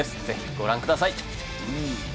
ぜひご覧ください。